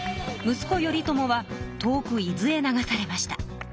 息子頼朝は遠く伊豆へ流されました。